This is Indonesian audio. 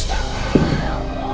ya gue mau ke rumah